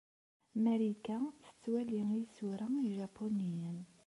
Marika tettwali isura ijapuniyen?